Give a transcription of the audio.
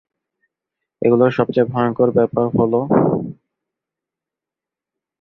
এগুলোর সবচেয়ে ভয়ংকর ব্যাপার হলো, এগুলোর মাত্রই আট ভাগের এক ভাগ জলের উপরে থাকে।